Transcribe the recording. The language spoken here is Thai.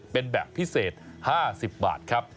เป็นแบบพิเศษ๕๐บาทครับ